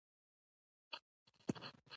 زمانشاه ته دېرش میلیونه روپۍ ورکړي.